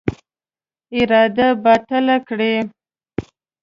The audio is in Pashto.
اراده باطله کړي.